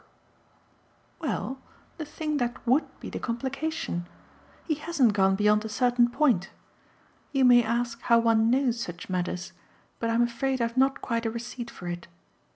"Well, the thing that WOULD be the complication. He hasn't gone beyond a certain point. You may ask how one knows such matters, but I'm afraid I've not quite a receipt for it.